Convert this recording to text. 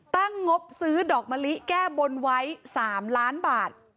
งบซื้อดอกมะลิแก้บนไว้๓ล้านบาท